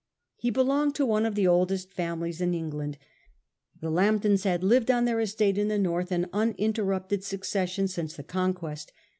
He belonged to one of the oldest families in England. The Lambtons had lived on their estate in the north, in uninterrupted succession, since the Conquest.